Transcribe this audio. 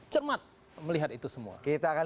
cermat melihat itu semua kita akan